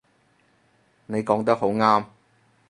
你講得好啱